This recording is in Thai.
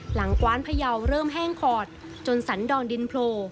กว้านพยาวเริ่มแห้งขอดจนสันดอนดินโผล่